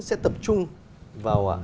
sẽ tập trung vào